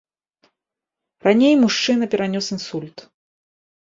Раней мужчына перанёс інсульт.